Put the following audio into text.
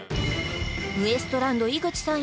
ウエストランド井口さん